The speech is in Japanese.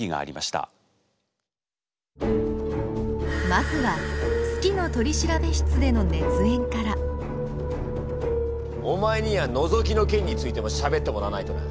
まずは「好きの取調室」での熱演からお前にはのぞきの件についてもしゃべってもらわないとな。